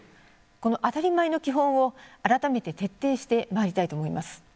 この当たり前の基本を改めて徹底してまいりたいと思います。